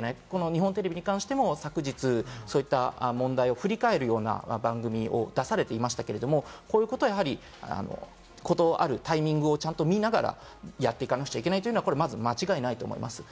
日本テレビに関しても、昨日そういった問題を振り返るような番組を出されていましたけれども、断るタイミングをちゃんと見ながらやっていかなくちゃいけないというのは間違いないと思います。